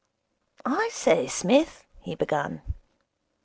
'I say, Psmith ' he began.